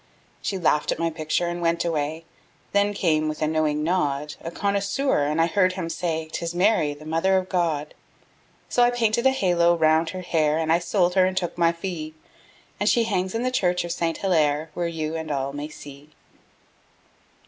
She laughed at my picture and went away. Then came, with a knowing nod, A connoisseur, and I heard him say; "'Tis Mary, the Mother of God." So I painted a halo round her hair, And I sold her and took my fee, And she hangs in the church of Saint Hillaire, Where you and all may see.